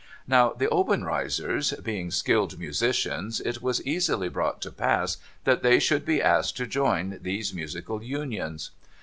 Now, the Obenreizers being skilled musicians, it was easily brought to pass that they should be asked to join these musical A POTENT SPELL 511 unions.